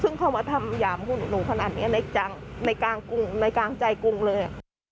ในกลางใจกรุงเลย